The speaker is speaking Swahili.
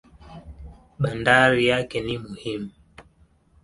Bandari yake ni muhimu.